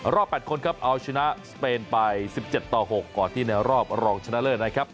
รอบ๘คนครับเอาชนะสเปนไป๑๗ต่อ๖ก่อนที่ในรอบรองชนะเลิศนะครับ